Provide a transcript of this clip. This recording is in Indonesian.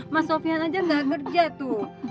mas sofian aja gak ngerja tuh